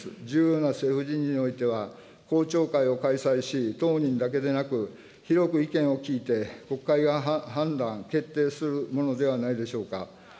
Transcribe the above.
重要な政府人事においては、公聴会を開催し、当人だけでなく、広く意見を聞いて、国会が判断、決定するものではないでしょうか。